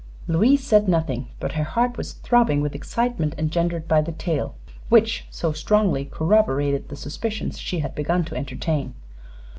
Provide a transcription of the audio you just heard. Louise said nothing, but her heart was throbbing with excitement engendered by the tale, which so strongly corroborated the suspicions she had begun to entertain.